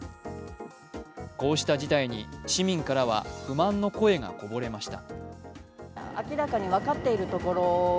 こうした事態に市民からは不満の声がこぼれました。